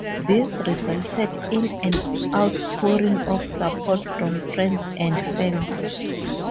This resulted in an outpouring of support from friends and fans.